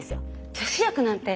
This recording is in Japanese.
女子力なんて。